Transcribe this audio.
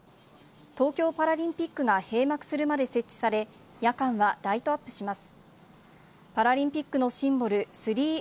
東京パラリンピックが閉幕するまで設置され、夜間はライトアップします。